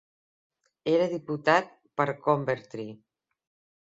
Era diputat per Coventry.